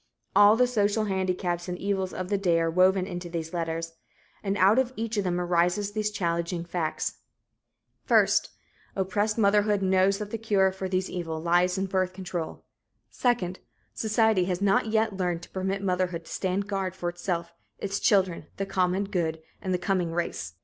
All the social handicaps and evils of the day are woven into these letters and out of each of them rises these challenging facts: First, oppressed motherhood knows that the cure for these evils lies in birth control; second, society has not yet learned to permit motherhood to stand guard for itself, its children, the common good and the coming race.